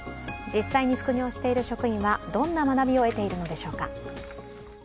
実際に副業している職員はどんな学びを得ているのでしょうか。